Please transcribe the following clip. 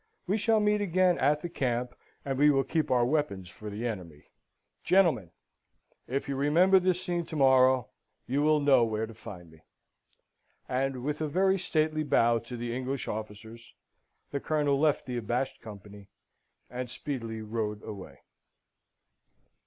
We shall meet again at the camp, and will keep our weapons for the enemy. Gentlemen! if you remember this scene to morrow, you will know where to find me." And with a very stately bow to the English officers, the Colonel left the abashed company, and speedily rode away.